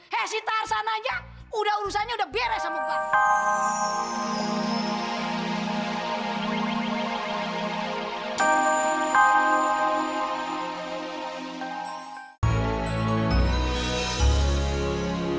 hei si tarzan aja udah urusannya udah beres sama gue